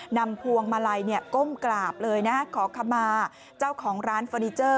พวงมาลัยก้มกราบเลยนะขอขมาเจ้าของร้านเฟอร์นิเจอร์